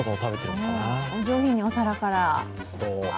お上品に、お皿から。